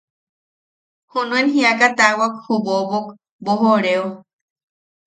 Junuen jiaka taawak ju bobok boʼojooreo.